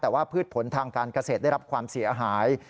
แต่ว่าพืชผลทางการเกษตรได้รับความเสียหาย